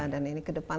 dan ini ke depan